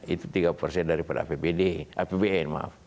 itu tiga persen daripada apbn maaf